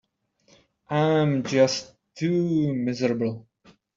I'm just too miserable.